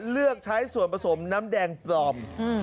เลือกใช้ส่วนผสมน้ำแดงปลอม